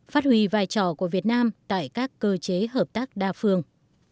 phát huy vai trò của việt nam tại các cơ chế hợp tác đa phương